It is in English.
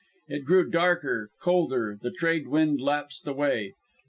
It grew darker, colder, the trade wind lapsed away.